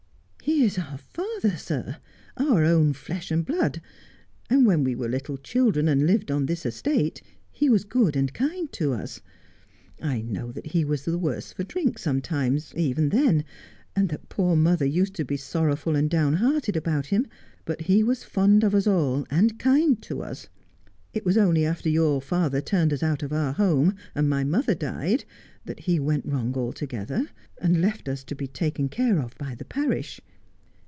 'He is our father, sir — our own flesh and blood — and when we were little children, and lived on this estate, he was good and kind to us. I know that he was the worse for drink sometimes, even then, and that poor mother used to be sorrowful and down hearted about him, but he was fond of us all, and kind to us. It was only after your father turned us out of our home, and my mother died, that he went wrong altogether, and left us to be taken care of by the parish.